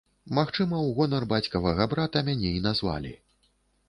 Магчыма, у гонар бацькавага брата мяне і назвалі.